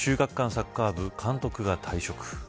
サッカー部、監督が退職。